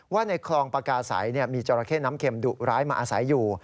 ในคลองปากาศัยมีจราเข้น้ำเข็มดุร้ายมาอาศัยอยู่